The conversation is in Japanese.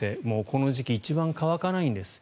この時期、一番乾かないんです。